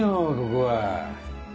ここは。